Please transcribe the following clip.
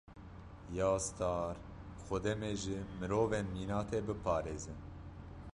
Ya star! Xwedê me ji mirovên mîna te biparêze.